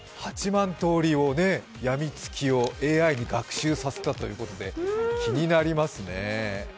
８万通りやみつきをＡＩに学習させたということで気になりますね。